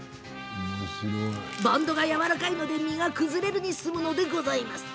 バンドがやわらかいので身が崩れずに済むのでございます。